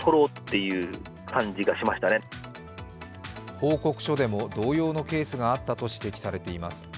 報告書でも同様のケースがあったと指摘されています。